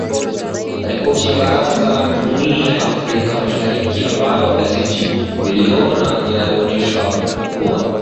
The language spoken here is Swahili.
Ripoti ya Baraza la jumuia ya Afrika mashariki ambayo gazeti iliiona inaonyesha kuwa